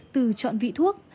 từ chọn vị thuốc